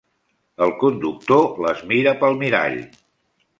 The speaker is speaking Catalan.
El conductor les mirà pel mirall.